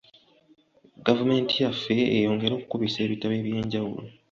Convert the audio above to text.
Gavumenti yaffe eyongere okukubisa ebitabo eby'enjawulo.